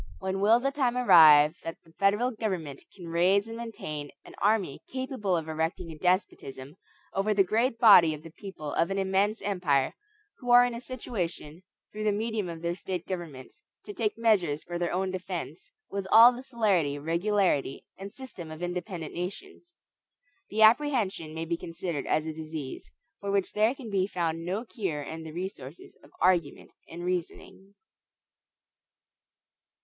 When will the time arrive that the federal government can raise and maintain an army capable of erecting a despotism over the great body of the people of an immense empire, who are in a situation, through the medium of their State governments, to take measures for their own defense, with all the celerity, regularity, and system of independent nations? The apprehension may be considered as a disease, for which there can be found no cure in the resources of argument and reasoning.